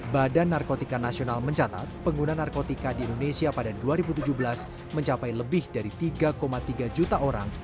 badan narkotika nasional mencatat pengguna narkotika di indonesia pada dua ribu tujuh belas mencapai lebih dari tiga tiga juta orang